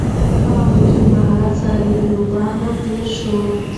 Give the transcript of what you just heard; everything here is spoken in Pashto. هغه په ډېر مهارت سره له بیروبار نه تېر شو.